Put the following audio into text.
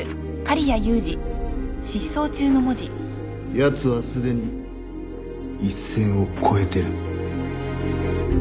やつはすでに一線を越えてる。